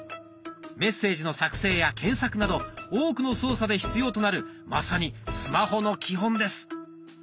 メッセージの作成や検索など多くの操作で必要となるまさにスマホの基本です。